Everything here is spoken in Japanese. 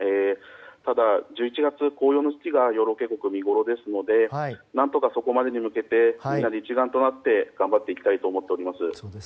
ただ１１月、紅葉の時期が養老渓谷は見ごろですので何とか、そこまでに向けみんなで一丸となって頑張っていきたいと思っています。